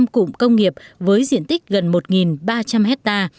ba mươi năm cụm công nghiệp với diện tích gần một ba trăm linh hectare